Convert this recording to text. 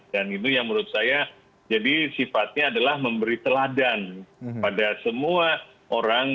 dan itu yang menurut saya jadi sifatnya adalah memberi teladan pada semua orang